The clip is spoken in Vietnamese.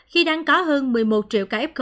khi đang có hơn một mươi một triệu ca f